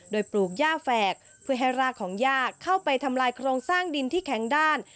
โดยปลูกย่าแฝกเพื่อให้รากของย่าเข้าไปทำลายโครงสร้างดินที่แข็งด้าน